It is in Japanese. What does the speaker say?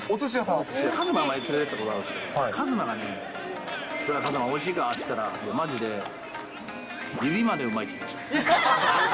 和真、連れていったことあるんですけど、和真がね、どうだ、和真、おいしいか？って言ったら、まじで指までうまいって言ってました。